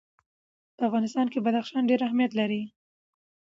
په افغانستان کې بدخشان ډېر اهمیت لري.